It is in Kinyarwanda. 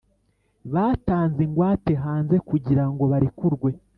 Batanze ingwate hanze kugira ngo barekurwe